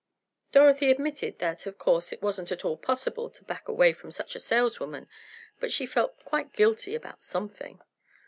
Dorothy admitted that of course it wasn't at all possible to back away from such a saleswoman, but she felt quite guilty about something.